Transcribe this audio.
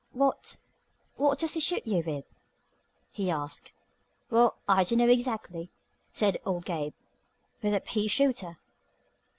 "What what does he shoot you with?" he asked. "Well, I dunno exactly," said old Gabe. "With a pea shooter."